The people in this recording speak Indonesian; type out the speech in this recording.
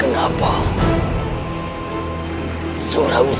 apa yang sedang kau tangis